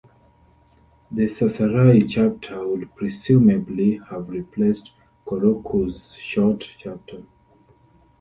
The Sasarai chapter would presumably have replaced Koroku's short chapter.